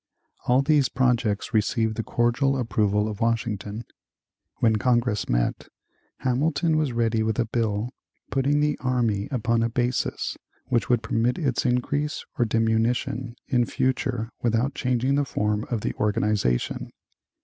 All these projects received the cordial approval of Washington. When Congress met, Hamilton was ready with a bill putting the army upon a basis which would permit its increase or diminution in future without changing the form of the organization.